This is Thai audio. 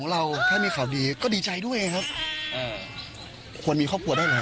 ฟังนะสัมภาษณ์กันหมดฟังเมียสัมภาษณ์